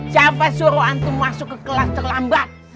siapa suruhan itu masuk ke kelas terlambat